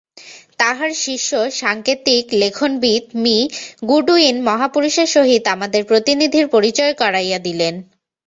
তাঁহার শিষ্য সাঙ্কেতিক-লেখনবিৎ me Goodwin মহাপুরুষের সহিত আমাদের প্রতিনিধির পরিচয় করাইয়া দিলেন।